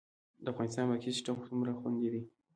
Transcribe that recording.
د افغانستان بانکي سیستم څومره خوندي دی؟